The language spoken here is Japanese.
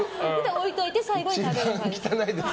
置いておいて最後に食べる感じです。